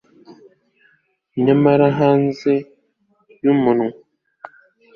nyamara hanze yumunwa